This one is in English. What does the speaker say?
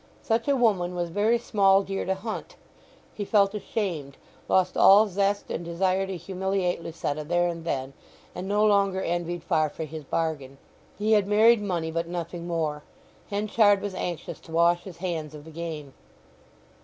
Such a woman was very small deer to hunt; he felt ashamed, lost all zest and desire to humiliate Lucetta there and then, and no longer envied Farfrae his bargain. He had married money, but nothing more. Henchard was anxious to wash his hands of the game.